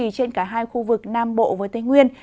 trên cả hai khu vực nam bộ với tây nguyên